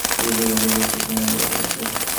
ফিরোজের গল্পে বেশ কিছু মজার ব্যাপার আছে।